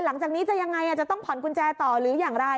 หลังจากนี้จะยังไงจะต้องผ่อนกุญแจต่อหรืออย่างไร